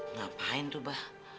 ngapain tuh bah